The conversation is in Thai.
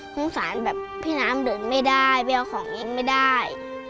สงสารแบบพี่น้ำเดินไม่ได้ไปเอาของกินไม่ได้